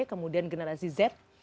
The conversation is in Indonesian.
kemudian generasi z